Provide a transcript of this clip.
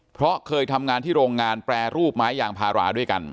เพราะเคยทำงานที่โรงงานแปรรูปไม้ยางพาราด้วยกัน